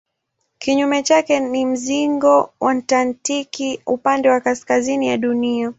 Kinyume chake ni mzingo antaktiki upande wa kaskazini ya Dunia.